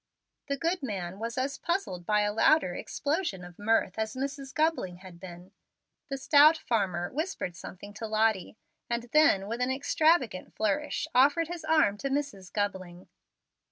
The good man was as puzzled by a louder explosion of mirth as Mrs. Gubling had been. The stout farmer whispered something to Lottie, and then, with an extravagant flourish, offered his arm to Mrs. Gubling.